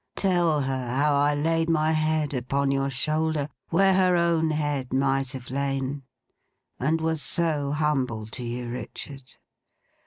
Tell her how I laid my head upon your shoulder, where her own head might have lain, and was so humble to you, Richard.